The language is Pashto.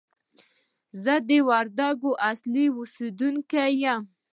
زه د وردګ ولایت اصلي اوسېدونکی یم!